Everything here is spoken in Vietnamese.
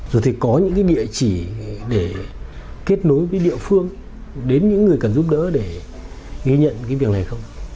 rồi thì có những cái địa chỉ để kết nối với địa phương đến những người cần giúp đỡ để ghi nhận cái việc này không